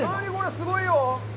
すごいよ！